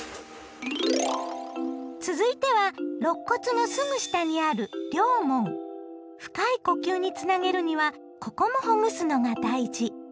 続いてはろっ骨のすぐ下にある深い呼吸につなげるにはここもほぐすのが大事！